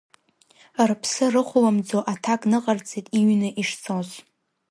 Рыԥсы рыхәламӡо, аҭак ныҟарҵеит иҩны ишцоз.